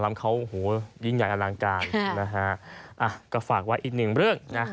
ครับขอบคุณทุกคนที่เป็นคนในชายน่ะ